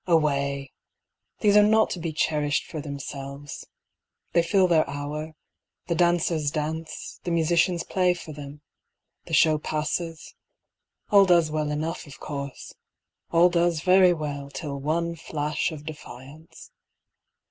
Away! these are not to be cherish'd for themselves, They fill their hour, the dancers dance, the musicians play for them, The show passes, all does well enough of course, All does very well till one flash of defiance.